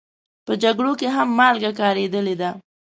په جګړو کې هم مالګه کارېدلې ده.